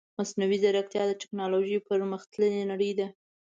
مصنوعي ځيرکتيا د تکنالوژي پرمختللې نړۍ ده .